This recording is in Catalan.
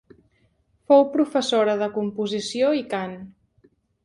Fou professora de composició i cant.